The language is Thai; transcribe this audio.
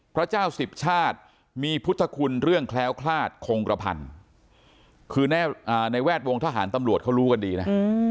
พระเจ้าสิบชาติมีพุทธคุณเรื่องแคล้วคลาดคงกระพันคือในแวดวงทหารตำรวจเขารู้กันดีนะ